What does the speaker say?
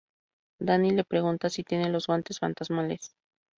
Danny le pregunta si tiene los guantes fantasmales.